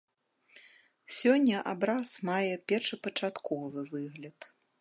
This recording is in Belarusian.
Сёння абраз мае першапачатковы выгляд.